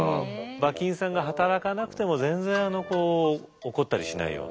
馬琴さんが働かなくても全然怒ったりしないような。